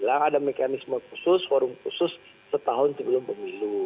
ada mekanisme khusus forum khusus setahun sebelum pemilu